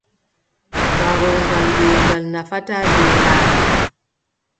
Ɓaraago beembal nafataa beelaaɗo.